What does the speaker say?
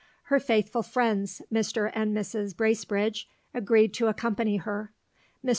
Her faithful friends, Mr. and Mrs. Bracebridge, agreed to accompany her. Mr.